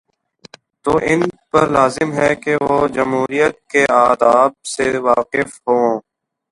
تو ان پرلازم ہے کہ وہ جمہوریت کے آداب سے واقف ہوں۔